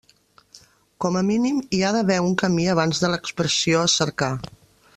Com a mínim hi ha d'haver un camí abans de l'expressió a cercar.